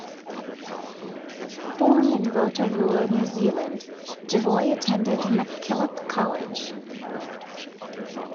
Born in Rotorua, New Zealand, Devoy attended MacKillop College.